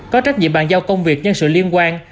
có trách nhiệm bàn giao công việc nhân sự liên quan